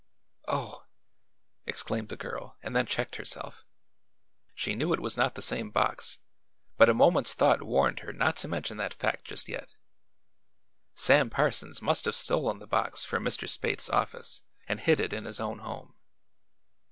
"Oh!" exclaimed the girl and then checked herself. She knew it was not the same box, but a moment's thought warned her not to mention that fact just yet. Sam Parsons must have stolen the box from Mr. Spaythe's office and hid it in his own home.